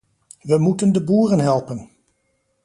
We moeten de boeren helpen!